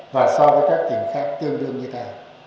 và so với các tỉnh khác tương đương như thế